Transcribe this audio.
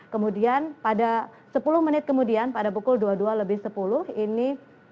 kemudian pada sepuluh menit kemudian pada pukul dua puluh dua lebih sepuluh ini